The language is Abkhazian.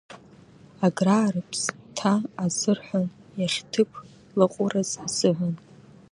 Аграа рыԥсҭа азырҳәон иахьҭыԥ лаҟәыраз азыҳәан.